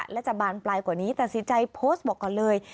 และจะบานปลายกว่านี้ตัดสินใจโพสต์บอกก่อนเลย